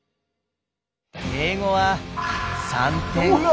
英語は３点。